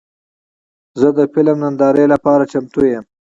زه د فلم نندارې لپاره چمتو یم.